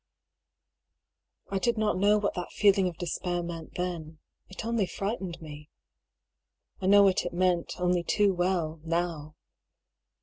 I did not know what that feeling of despair meant then. It only frightened me. ^ I know what it meant, only too well, now.